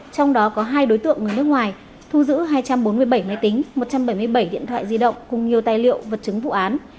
trong đó có hai đối tượng người nước ngoài thu giữ hai trăm bốn mươi bảy máy tính một trăm bảy mươi bảy điện thoại di động cùng nhiều tài liệu vật chứng vụ án